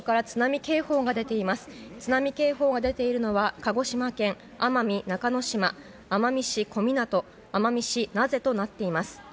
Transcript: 津波警報が出ているのは鹿児島県奄美中之島奄美市小湊、奄美市名瀬となっています。